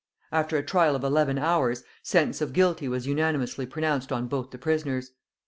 After a trial of eleven hours, sentence of Guilty was unanimously pronounced on both the prisoners.